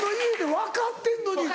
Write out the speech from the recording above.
分かってんのに。